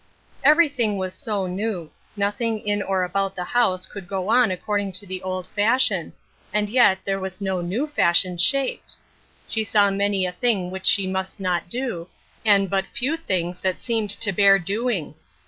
Everything was so new; nothing in or about the house could go on according to the old fash ion ; and 3^et there was no new fashion shaped 40 A Cross of Lead, 41 She isaw many a thing which she must not do, and but few things that seemed to bear doing.